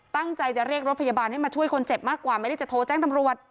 ตั้งใจจะเรียกรถพยาบาลให้มาช่วยคนเจ็บมากกว่าไม่ได้จะโทรแจ้งตำรวจ